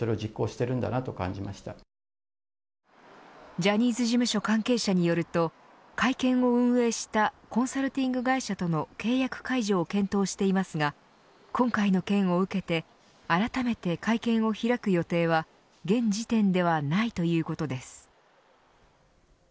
ジャニーズ事務所関係者によると会見を運営したコンサルティング会社との契約解除を検討していますが今回の件を受けてあらためて会見を開く予定は現時点ではないということです。